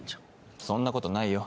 そんなことないよ。